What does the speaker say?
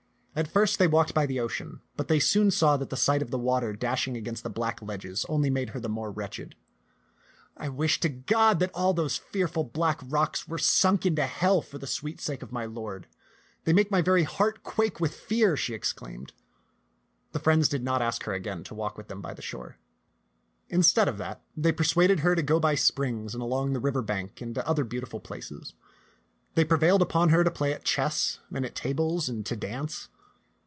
At first they walked by the ocean, but they soon saw that the sight of the water dash ing against the black ledges only made her the more wretched. " I wish to God that all those fearful black rocks were sunk into hell for the sweet sake of my lord. They make my very heart quake with fear,'* she ex claimed. The friends did not ask her again to walk with them by the shore. Instead of that, they persuaded her to go by springs and along the river bank and to other beautiful places. They prevailed upon her to play at chess and tables and to dance.